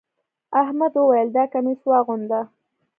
احمد وويل: دا کميس واغونده.